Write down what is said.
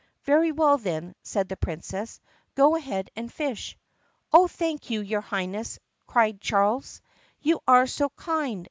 "Very well, then," said the Princess, "go ahead and fish." "Oh, thank you, your Highness!" cried Charles. "You are so kind!"